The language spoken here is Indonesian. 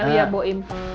iya bu im